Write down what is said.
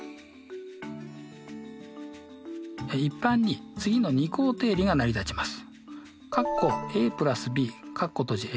一般に次の二項定理が成り立ちます。